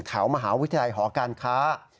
แถวมหาวิทยาลัยหอการค้า